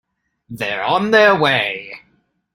They're on their way.